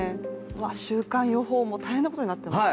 週間予報も大変なことになってますね。